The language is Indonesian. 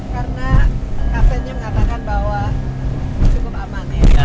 karena kaptennya mengatakan bahwa cukup aman ya